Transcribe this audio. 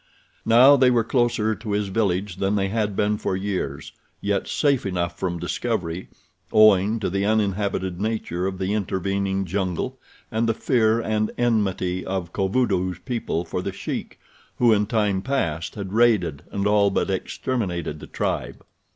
Now they were closer to his village than they had been for years, yet safe enough from discovery owing to the uninhabited nature of the intervening jungle and the fear and enmity of Kovudoo's people for The Sheik, who, in time past, had raided and all but exterminated the tribe.